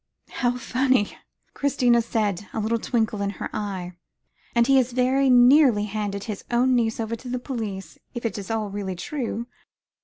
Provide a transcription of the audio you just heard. "How funny," Christina said, a little twinkle in her eyes; "and he very nearly handed his own niece over to the police if it is all really true.